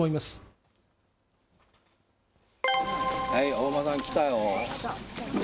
お馬さん来たよ。